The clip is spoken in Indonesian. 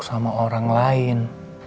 sama orang lain